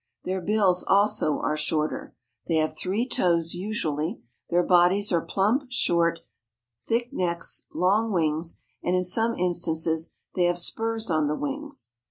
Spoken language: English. Their bills also are shorter. They have three toes usually; their bodies are plump; short, thick necks, long wings, and in some instances they have spurs on the wings.